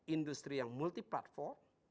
industri yang multi platform